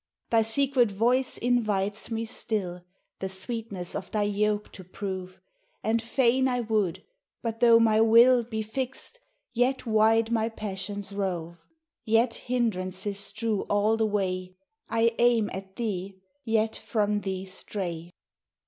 Thy secret voice invites me still The sweetness of thy yoke to prove, And fain I would; but though my will Be fixed, yet wide my passions rove. Yet hindrances strew all the way; I aim at thee, yet from thee stray.